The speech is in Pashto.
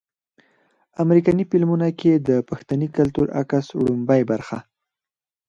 امريکني فلمونو کښې د پښتني کلتور عکس وړومبۍ برخه